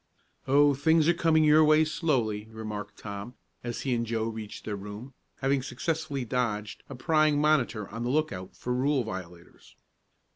"Oh, things are coming your way slowly," remarked Tom, as he and Joe reached their room, having successfully dodged a prying monitor on the look out for rule violators.